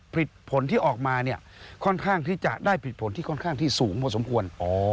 ผลที่ออกมาเนี่ยค่อนข้างที่จะได้ผิดผลที่ค่อนข้างที่สูงพอสมควร